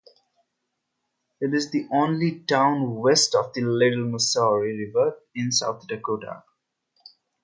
It is the only town west of the Little Missouri River in South Dakota.